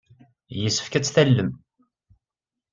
Yessefk ad tt-tallem.